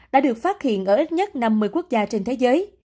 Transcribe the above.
đã được phát hiện ở ít nhất năm mươi quốc gia trên thế giới